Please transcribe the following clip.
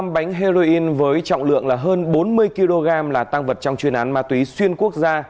một trăm một mươi năm bánh heroin với trọng lượng hơn bốn mươi kg là tăng vật trong chuyên án ma túy xuyên quốc gia